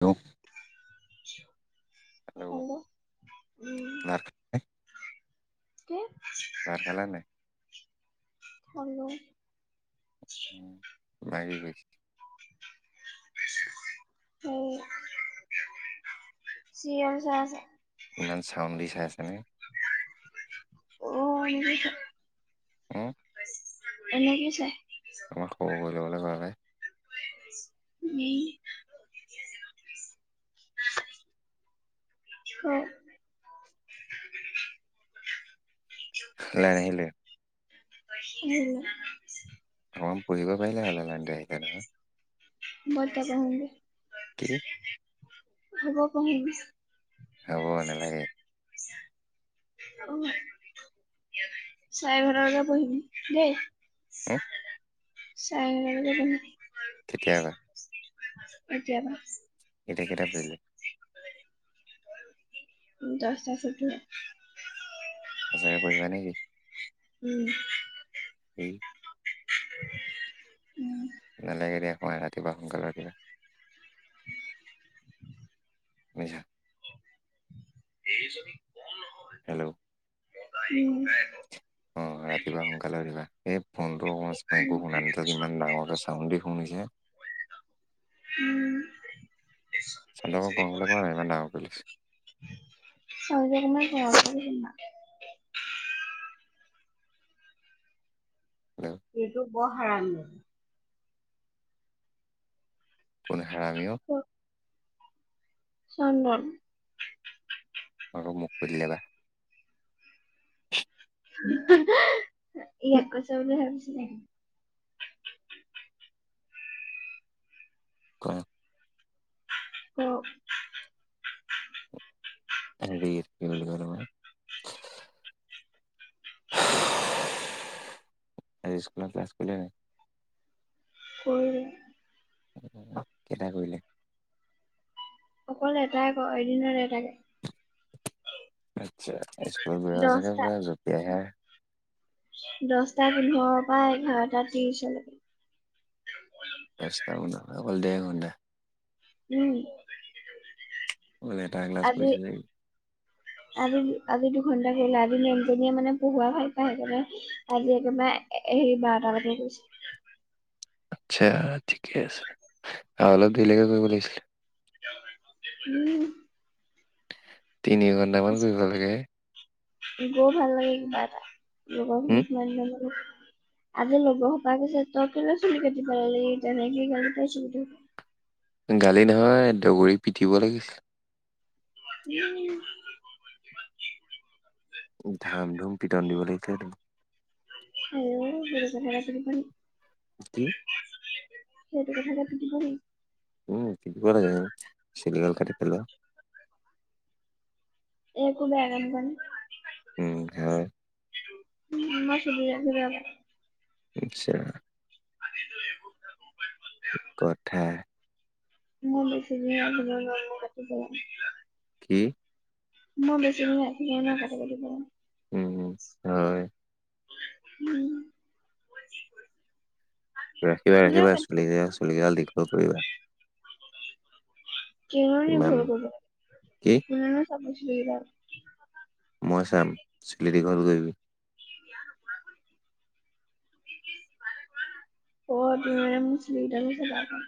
Hello hello হল উম ভাত খালে কি ভাত খালা নাই খালো লাগি গৈছে স চিল চ আছে ইমান চাউণ্ড দি চাই আছেনে উম উম এনে কি চাই আমাক খ'বলে ভে উম অ লেনে আহিলে হয় অঁ পঢ়িবব পাই আ লাইন ত আহিলে বৰ্ত ক কি হব ক হ'ব নালাগে অ চাৰে ঘাৰ বকে উম পঢ়িবি দেই চাই কেতিয়াবা আতিয়া পৰা এইটা কেইটা বাজিলে উ দচটা চতি ন সঁচাকে পঢিবা নেকি উম [inaudible] উম নালাগে দিয়া শুৱা ৰাতিপুৱা সোনকালে উঠিৱা [unintelligible] এই যদি [unintelligible] হেল্ল' আহ, নাই অ', ৰাতিপুৱা সোনকালে উঠিবা, এই ফোনটো উম, অকণমান মই একো শুনা নাই, ইমান ডাঙৰকৈ চাউণ্ডেই শুনিছে উম, [unintelligible] গাল কোৱা নাই ইমান ডাঙ [unintelligible] হেল্ল' এইটো বৰ হৰামি কোনো হেৰামি ও অ', চন্দন অ', মোক কৰি লে বা [unintelligible] ইয়াক কৈছ বুলি ভাবিছিলে ক [unintelligible] হেৰি কি বুলি কৈ আজি স্কুলৰ ক্লাছ কৰিলেন নাই কৰিলে কেইটা কৰিলে অকল এটাই ক, এদিনত এটাকে আচ্ছা, স্কুল গৈ চাগে দহটা পুৰা জপিয়াই আহে দশটা পোন্ধৰৰ পৰা, এঘাৰটা ত্ৰিশলৈকে [unintelligible] উম, অকল এটা ক্লাছ আজি কৰিছে আজি, আজি দুঘণ্টা গল আজি মেমজনীয়ে মানে, পঢহোৱাই ভাল পাই। আজি একেবাৰে হেৰি বাৰটা বা কৰিছে আচ্ছা, ঠিকে আছে আৰু অলপ ধৰিলেকে কৰিব লাগিছিলে উম' তিনি ঘণ্টামান কৰিব লাগে গই ভাল লাগে কিবা এটা, উম, লগৰখিনি ইমান দিনৰ মূৰত আজি লগৰ সোপাই কৈছে তই কেলৈ চুলি কাটি পেলালি তেনেকেই গালি পাৰিছে গোটে মখাই গালি নহয়, দগৰি পিটিব লাগিছিল। উম' ধাম ধুম পিটন দিব লাগিছে তোক। [unintelligible] কি? সেইটো কথাতে পিটিব নেকি উম, পিটিব লাগে চুলিগাল কাটি পেলোৱা। একো বেয়া কাম কৰা নাই। উম' হয় উম' মই চুলি ৰাখি বেয়া পাও। আচ্ছা [unintelligible] কথা মই বেছি [unintelligible] কি? মই বেছি দিন ৰাখিব নোৱাৰোঁ কাটি কাটি পেলাও হয় উম' ৰাখিবা এনেও ৰাখিবা কাটি চুলি কিদাল চুলি কিদাল দীঘল কৰিবা। কেলৈনো ইমান দীঘল কৰিব কি লাগে কোনেনো চাব চুলি কেদাল? মই চাম চুলি দীঘল কৰিবি। [unintelligible] অ' তুমি মানে মোৰ চুলি কেদাল [unintelligible]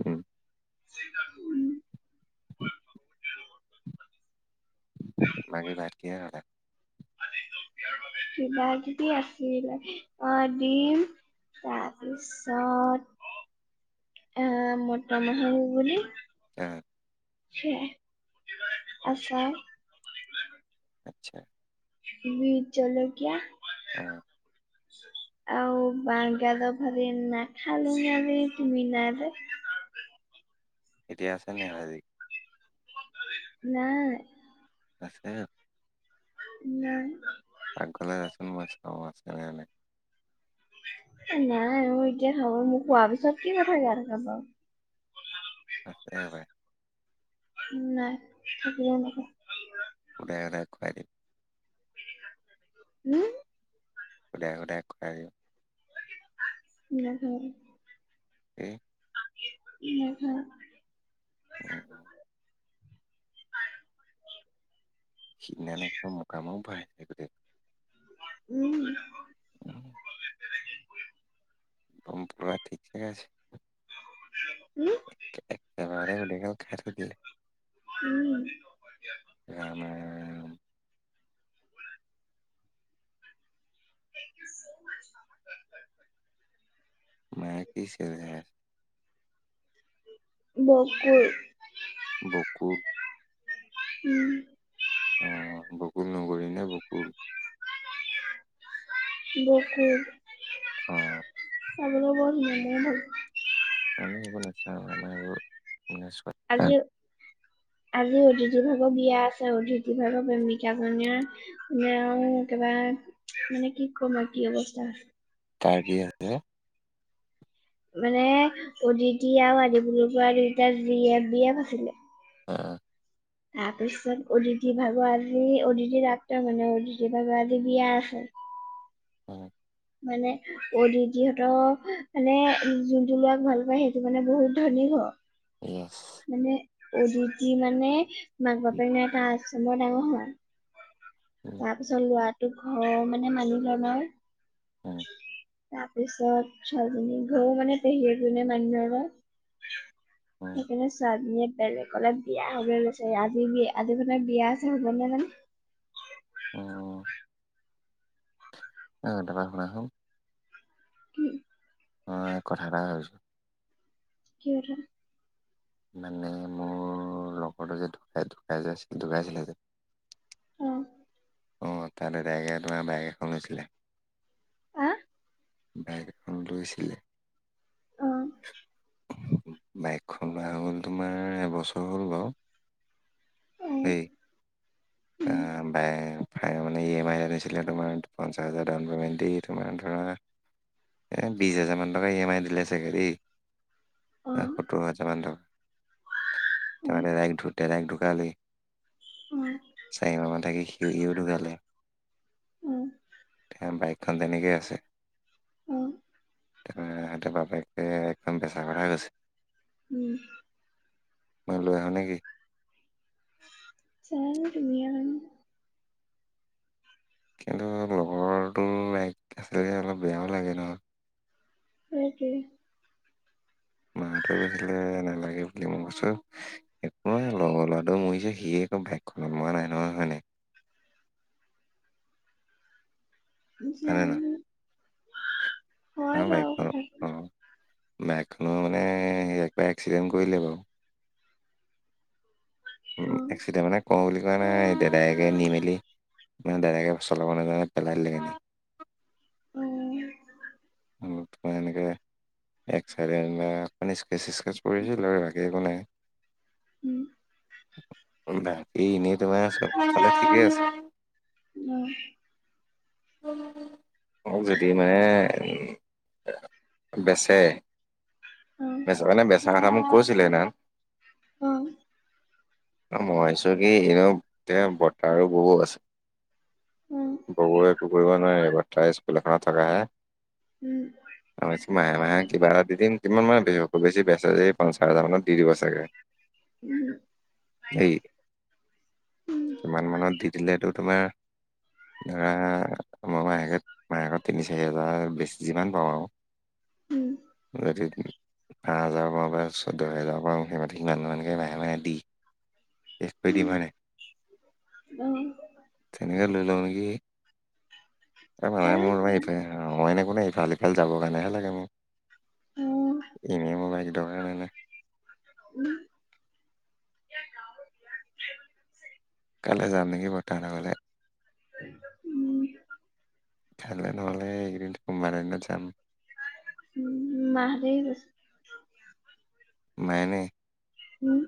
উম' উম' বাকী ভাত কিহেৰে খালা? কিবা যদি আছিল অ দিম তাৰপিছত আহ মতৰ মাহৰ ঘুগুনী অ' সেইয়াই আচ্ছা আচাৰ আচ্ছা বিহ জলকীয়া অঁ' আৰু বাঁহ গাজৰ ভাজি নাখালোঁ আজি তুমি নাই যে এতিয়া আছে নে নাই আৰু ভাজি? নাই আছে নাই পাকঘৰলে যাচোন মই চাওঁ আছে নে নাই নাই অ' এতিয়া খাব মোক খোৱাৰ পিছত কি কথা কৈ থাকা বাৰু আঁছে এবাৰ নাই থাকিলেও নকওঁ সুদাই সুদাই খুৱাই দিম। উম' সুদাই সুদাই খুৱাই দিম। নাখাওঁ। এ উম, উম। উম, সেইদিনা নেকি মোকামো ভাইছে গতিকে উম। উম, বমপুৰা ঠিকে আছে। উ এক বাৰে গুডিকাল খাই থৈ দিলে। উম। এ, নাই। [unintelligible] মায়ে কি চিঞৰি আছে? বকুৰ। বকুত। উম। অ' বকুল নগৰী নে বকুল? বকুল। অ'। চাবলৈ বৰ ধুনীয়া ময়ো ভাল পাওঁ। আমি হেইবোৰ নাচাওঁ আমাৰ এইবোৰ আলু আজি অতিথিভাগৰ বিয়া আছে অতিথিভাগৰ প্ৰেমিকাজনীৰ মে আৰু একবাৰে মানে কি কম আৰু কি অৱস্থা টাৰ্কি আছে? মানে অদিতি আৰু আদিবৰুৰ পৰা দুটা জি এফ বি এফ আছিলে। এ, তাৰপিছত অদিথি ভাগৰ আজি অদটিৰ ডাক্তৰ মানে অদিথি ভাগৰ আজি বিয়া আছে। অ' মানে অদিদিহঁতৰ মানে যোনটো ল'ৰাক ভাল পায় সেইটো মানে বহুত ধনী ঘৰ। উম। মানে অদিতি মানে মাক উম, বাপে ন এটা আছে বৰ ডাঙৰ হোৱা। উম। তাৰপিছত লৰাটো ঘৰ মানে মানুহজনৰ উম, তাৰপিছত ছোৱালীজনী ঘৰ মানে পেহী এজনীয়ে মানুহৰ আগত উম, সেইকাৰণে চাধনীয়ে বেলেকলে বিয়া হব গৈছে আজি বিয়া আজি মাৰ বিয়া আছে হ'ব নে জানে অ', অ'। অ' এটা কথা শুনাচুন। কি অ' কথা এটা ভাবিছোঁ। কি হেইটো? মানে মোৰ লগৰটো যে ঢুকাই ঢুকাই যেছিল ঢুকাইছিলে যে উম। অ' তাতে তাইকে তোমাৰ বাইক এখন লৈছিলে। আ বাইক এখন লৈছিলে। অ'। বাইকখন লোৱা হ'ল তোমাৰ এবছৰ হ'ল বাৰু। অ দে উম তাৰ বাইক ই এম আই ৰে পছিলে তোমাৰ পঞ্চচ হাজাৰ ডাউন পেমেণ্ট দি তোমাৰ ধৰা এ, বিশছ হাজাৰ মান টকা ই এম আই দিলে চাগে দে। অ সত্তৰ হাজাৰ মান টকা অ তাৰে দেৰাক ঢুকালে। অ চাৰি মাহ মান থাকি সিয়হিও ঢুকালে। উম। বাইক খান তেনেকে আছে। অ, তাৰ সিহঁৰ বাপেকে একদম বেচা কথা কৈছে। উম মই লৈ আহো নেকি। চাই লোৱা তুমি হে জানা কিন্তু লগৰটো এক আছিলে যে অলপ বেয়াও লাগে ন। হেইতোই মা হটে কৈছিলে নালাগে বুলি মই কৈছো একো নহয় লগৰ ল'ৰাটো হে মৰিছে সিয়ে একো বাইকখনত লোৱা নাই নহয় হয় নাই। হয়নে নহয় জানো হয় আৰু বাৰু বাইকখন কথাটো। অঁ বাইকখনো মানে একবাৰ এক্সিডেণ্ট কৰিলে বাৰু উম, এক্সিডেণ্ট মানে কওঁ বুলি কোৱা নাই এতিয়া ডাইৰেকে নি মেলি মানে ডাদেকে চলাব নাজানে পেলালিগে অ' [inaudible] এনেকে এক্সৰেণ্ট মানে স্কেচ স্কেচ কৰিছিলো, আৰু আগে একো নাই। উম, বাকী, এনেই তোমাৰ চ'ব ঠিকে আছে। উম, অ', দি মানে বেচে, অ অ বেচ মানে বেচা কথা মোক কৈছিলে সেইদিনাসন অ', অ', ভাবিছো কি এনে এয়া বতাৰ্তহ ববৌ আছে বৌ [inaudible] তাই স্কুল‌ এখনত থকা হয় উম, মই ভাবিছো, মাহে মাহে কিবা এটা দিম কিমান মান বেছি বেচা যে এই পঞ্চাছ হাজাৰ মানত দি দিব চাগে। [unintelligible] উম মানত দি দিলেতটো তোমাৰ ধৰা মই মাহেকত, মাহেকত তিনি চাৰি হোজাৰ বেছি যিমান পাওঁ আৰু উম, যদি পাঁচ হাজাৰৰ, পৰা বা চৈধ্য হেজাৰৰ, পৰা সেই মি সমানমানকৈ মাহে মাহে দি এক [unintelligible] উম মানে অ ধুনীয়াকেঢ়লৈ লও নেকি? এই মানে, জানো কিয় মোৰফই এনে কোনোই ইফাল সিফাল যাবৰ কাৰণেহে লাগে অ মোক এনেয় মোবাইলটো কিৰনে এনে উম, কাইলৈ যাম নেকি, বৰ্তাহতৰ ঘৰলৈ উম, কাইলে নহ'লে এই কেদিন কোনোবা এটা দিনত যাম। উ, মাহ হতে গৈছে। মাই এনে উম,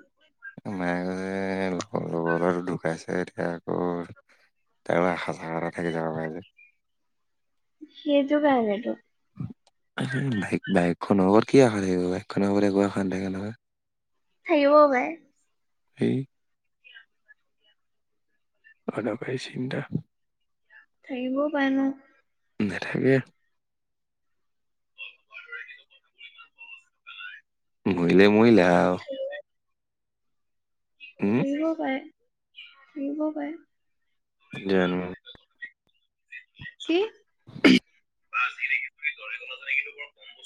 মায়ে যে লগ ল'ৰা ঢুকাইছে এতিয়া আকৌ তাৰ আশা চাকা এটা থাকি যাব পাই যে। সেইটো কাৰনেটো এই বাইক বাইকখনৰ ওপৰত কি আশা থাকিব, বাইকখনৰ ওপৰত একো আশাৰ না থাকে নহয়। থাকিবও পাৰে। এই অদকাৰি চিন্তা। থাকিব পাৰে নথাকে অ', - মৰিলে, মৰিলে, আৰু উম, থাকিবও পায়, থানিবও পাৰে যানো কি? [unintelligible]